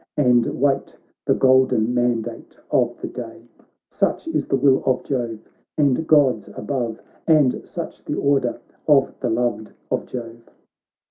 And wait the golden mandate of the day : Such is the will of Jove, and Gods above. And such the order of the loved of Jove.'